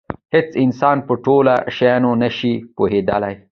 هېڅ انسان په ټولو شیانو نه شي پوهېدلی.